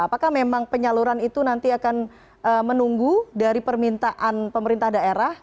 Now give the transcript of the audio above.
apakah memang penyaluran itu nanti akan menunggu dari permintaan pemerintah daerah